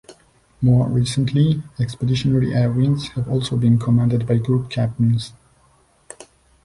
More recently, expeditionary air wings have also been commanded by group captains.